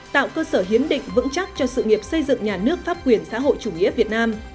tạo cơ sở hiến định vững chắc cho sự nghiệp xây dựng nhà nước pháp quyền xã hội chủ nghĩa việt nam